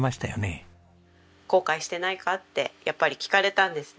「後悔してないか？」ってやっぱり聞かれたんですね。